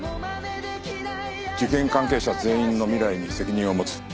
事件関係者全員の未来に責任を持つ。